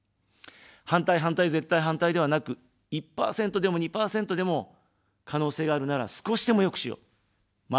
反対、反対、絶対反対ではなく、１％でも２％でも可能性があるなら少しでも良くしよう、前に進めよう。